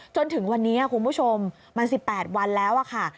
จนถึงวันนี้คุณผู้ชมมัน๑๘วันแล้วค่ะ